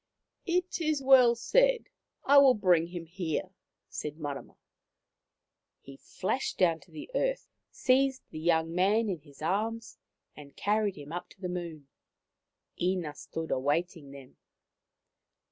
" It is well said. I will bring him here," said Marama. i He flashed down to the earth, seized the young man in his arms, and carried him up to the Moon. Ina stood awaiting them.